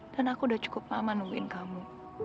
dan aku udah cukup lama nungguin kamu